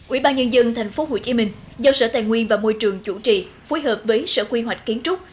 ubnd tp hcm do sở tài nguyên và môi trường chủ trì phối hợp với sở quy hoạch kiến trúc